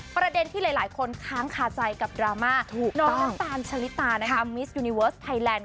ประเด็นที่หลายคนค้างคาใจกับดราม่าน้องน้ำตาลชะลิตานะคะมิสยูนิเวิร์สไทยแลนด